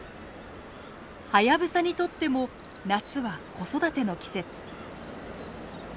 ハヤブサにとっても夏は子育ての季節。